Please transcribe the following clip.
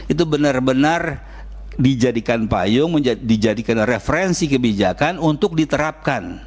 itu benar benar dijadikan payung dijadikan referensi kebijakan untuk diterapkan